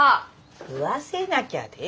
食わせなきゃ出て。